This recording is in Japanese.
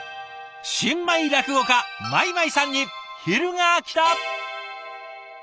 新米落語家米舞さんに昼がきた！